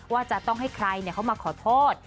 ว่าจะต้องให้ใครเข้ามาขอโทษ